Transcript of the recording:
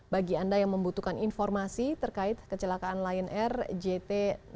bagi anda yang membutuhkan informasi terkait kecelakaan lion air jt enam ratus sepuluh